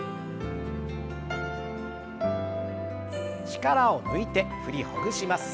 力を抜いて振りほぐします。